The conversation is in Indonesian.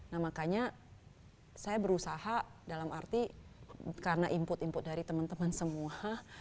nah makanya saya berusaha dalam arti karena input input dari teman teman semua